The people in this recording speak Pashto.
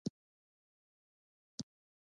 • کنفوسیوس د نارینهوو لپاره د مرګ جزا تعیین کړه.